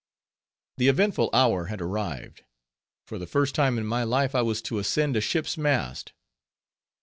The eventful hour had arrived; for the first time in my life I was to ascend a ship's mast.